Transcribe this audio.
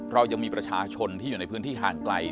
เรายังมีประชาชนที่อยู่ในพื้นที่ห่างไกล